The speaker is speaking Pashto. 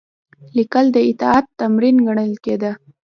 لیکل د اطاعت تمرین ګڼل کېده.